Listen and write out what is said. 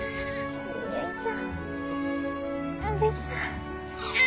よいしょ。